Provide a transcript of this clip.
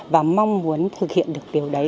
và mong muốn thực hiện được điều đấy